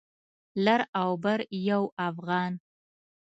لر او لر یو افغان